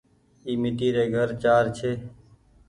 اي ميٽي ري گهر چآر ڇي۔